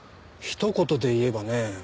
ひと言で言えばね